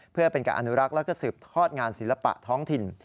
เพื่อเป็นการอนุรักษ์แล้วก็สืบทอดงานศิลปะท้องถิ่น